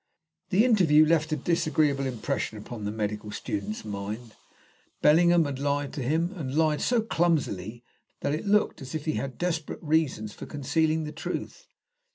This interview left a disagreeable impression upon the medical student's mind. Bellingham had lied to him, and lied so clumsily that it looked as if he had desperate reasons for concealing the truth.